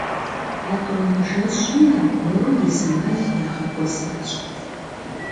Етӏуанэ жэщми аргуэру и зы мэл ягъэкӏуэсащ.